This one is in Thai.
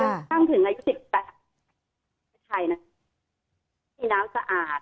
ตั้งถึงอายุ๑๘ในประเทศไทยนะมีน้ำสะอาด